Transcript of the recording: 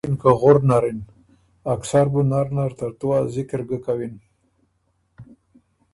اول غوېکِن که ” غُر نر اِن، اکثر بُو نر نر ترتُو ا ذِکِر ګه کَوِن